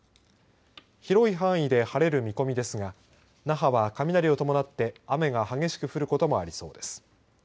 広い範囲で晴れる見込みですが那覇は雷を伴って雨が激しく降ることもありそうです。